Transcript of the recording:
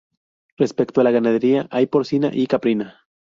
Respecto a la ganadería hay porcina y caprina.